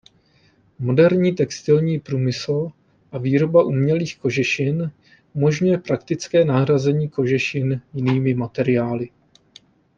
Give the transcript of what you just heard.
Moderní textilní průmysl a výroba umělých kožešin umožňuje praktické nahrazení kožešin jinými materiály.